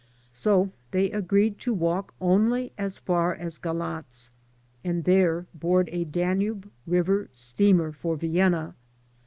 So they agreed to walk only as far as Galatz, and there board a Danube River steamer for Vienna.